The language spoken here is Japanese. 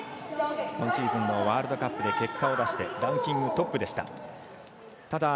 今シーズンのワールドカップで結果を出してランキングトップでした。